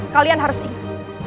kalian harus ingat